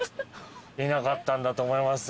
いなかったんだと思います。